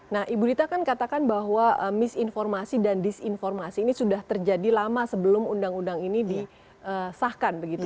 nah ibu dita kan katakan bahwa misinformasi dan disinformasi ini sudah terjadi lama sebelum undang undang ini disahkan begitu